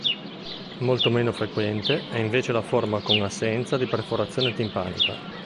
Molto meno frequente è invece la forma con assenza di perforazione timpanica.